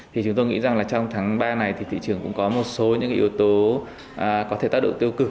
thì chúng tôi nghĩ rằng là trong tháng ba này thì thị trường cũng có một số những yếu tố có thể tác động tiêu cực